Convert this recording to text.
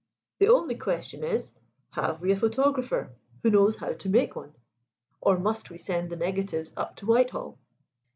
The only question is, Have we a photographer who knows how to make one? Or must we send the negatives up to Whitehall?"